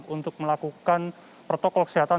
untuk melakukan protokol kesehatan